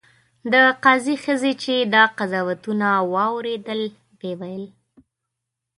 د قاضي ښځې چې دا قضاوتونه واورېدل ویې ویل.